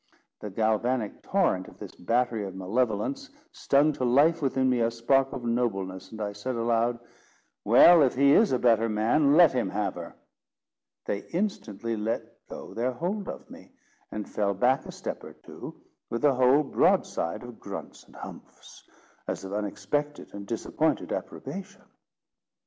The galvanic torrent of this battery of malevolence stung to life within me a spark of nobleness, and I said aloud, "Well, if he is a better man, let him have her." They instantly let go their hold of me, and fell back a step or two, with a whole broadside of grunts and humphs, as of unexpected and disappointed approbation.